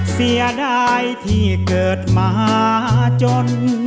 เสียดายที่เกิดมาจน